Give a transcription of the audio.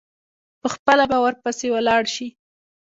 پخپله به ورپسي ولاړ شي.